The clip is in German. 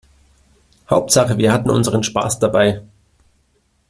Hauptsache wir hatten unseren Spaß dabei.